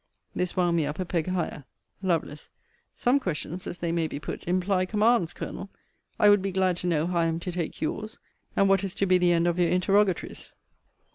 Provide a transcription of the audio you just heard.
This wound me up a peg higher. Lovel. Some questions, as they may be put, imply commands, Colonel. I would be glad to know how I am to take your's? And what is to be the end of your interrogatories?